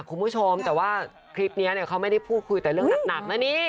คุณผู้ชมแต่ว่าคลิปนี้เนี่ยเขาไม่ได้พูดคุยแต่เรื่องหนักนะนี่